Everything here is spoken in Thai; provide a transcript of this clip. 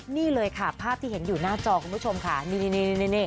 นี่เลยค่ะภาพที่เห็นอยู่หน้าจอคุณผู้ชมค่ะนี่นี่